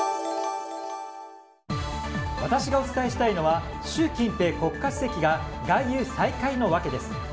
私がお伝えしたいのは習近平国家主席が外遊再開の訳です。